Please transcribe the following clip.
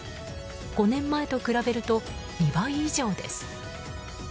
５年前と比べると２倍以上です。